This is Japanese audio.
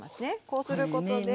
こうすることで。